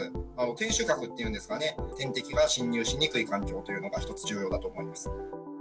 天守閣っていうんですかね、天敵が侵入しにくい環境というのが、一つ、重要だと思います。